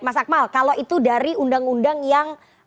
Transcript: mas akmal kalau itu dari undang undang yang